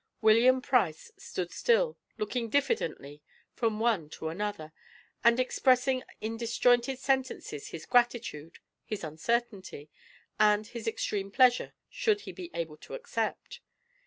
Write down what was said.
William Price stood still, looking diffidently from one to another, and expressing in disjointed sentences his gratitude, his uncertainty, and his extreme pleasure should he be able to accept.